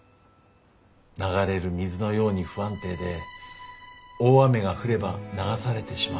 流れる水のように不安定で大雨が降れば流されてしまう。